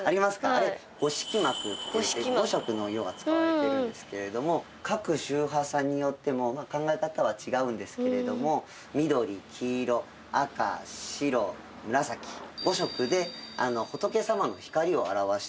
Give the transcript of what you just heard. あれ五色幕っていって５色の色が使われているんですけれども各宗派さんによっても考え方は違うんですけれども緑黄色赤白紫５色で仏様の光を表している。